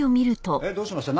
えっどうしました？